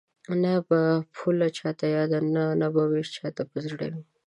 نه به پوله چاته یاده نه به وېش چاته په زړه وي